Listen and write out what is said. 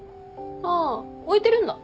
ああ置いてるんだ。